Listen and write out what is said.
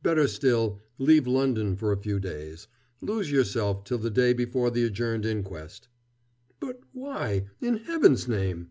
Better still, leave London for a few days. Lose yourself till the day before the adjourned inquest." "But why in Heaven's name?"